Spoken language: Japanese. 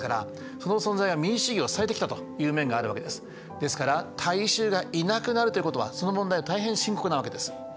ですから大衆がいなくなるということはその問題は大変深刻なわけです。